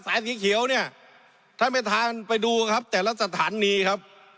สีเขียวเนี่ยท่านประธานไปดูครับแต่ละสถานีครับ